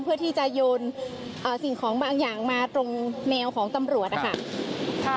เพื่อที่จะโยนสิ่งของบางอย่างมาตรงแนวของตำรวจนะคะ